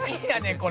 これ」